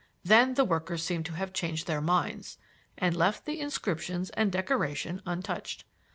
Then the workers seem to have changed their minds and left the inscriptions and decoration untouched.